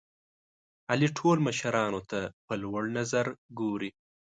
علي ټول مشرانو ته په لوړ نظر ګوري.